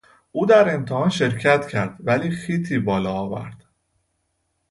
او در امتحان شرکت کرد ولی خیطی بالا آورد.